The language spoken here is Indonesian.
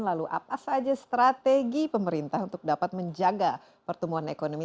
lalu apa saja strategi pemerintah untuk dapat menjaga pertumbuhan ekonomi